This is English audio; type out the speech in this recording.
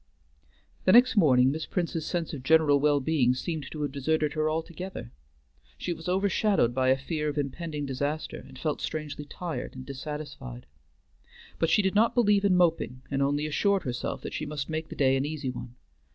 The next morning Miss Prince's sense of general well being seemed to have deserted her altogether. She was overshadowed by a fear of impending disaster and felt strangely tired and dissatisfied. But she did not believe in moping, and only assured herself that she must make the day an easy one.